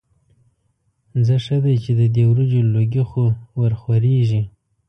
ځه ښه دی چې د دې وریجو لوګي خو ورخوريږي.